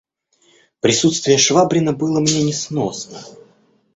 Присутствие Швабрина было мне несносно.